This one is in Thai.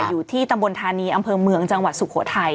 อยู่ที่ตำบลธานีอำเภอเมืองจังหวัดสุโขทัย